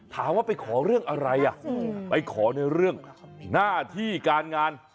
ถามว่าไปขอเรื่องอะไรอ่ะไปขอในเรื่องหน้าที่การงาน